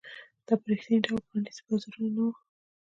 دا په رښتیني ډول پرانیستي بازارونه نه وو.